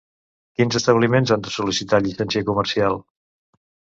Quins establiments han de sol·licitar Llicència Comercial?